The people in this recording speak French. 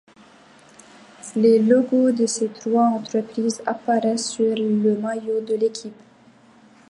Les logos de ces trois entreprises apparaissent sur le maillot de l'équipe.